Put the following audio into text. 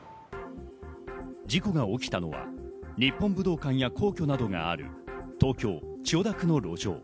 事故が起きたのは日本武道館や皇居などがある東京・千代田区の路上。